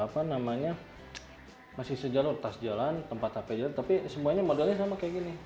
dari mulai tas ini masih se jalur tas jalan tempat hp jalan tapi semuanya modelnya sama kayak gini